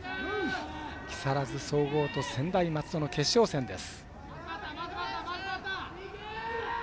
木更津総合と専大松戸の決勝戦です。